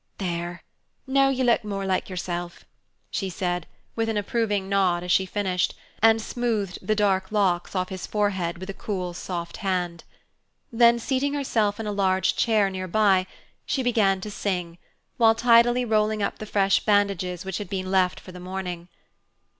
"There, now you look more like yourself," she said with an approving nod as she finished, and smoothed the dark locks off his forehead with a cool, soft hand. Then seating herself in a large chair near by, she began to sing, while tidily rolling up the fresh bandages which had been left for the morning.